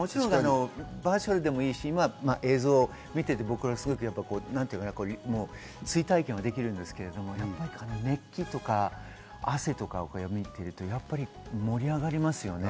バーチャルでもいいし、映像を見ていて、僕らはすごく追体験できますけれど、熱気とか汗とか見ていると盛り上がりますね。